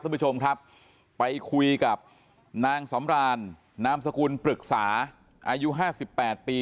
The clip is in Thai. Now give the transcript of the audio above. ท่านผู้ชมครับไปคุยกับนางสำรานนามสกุลปรึกษาอายุห้าสิบแปดปี